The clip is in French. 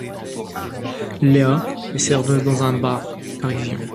Léa est serveuse dans un bar parisien.